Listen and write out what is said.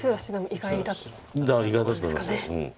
意外だったと思います。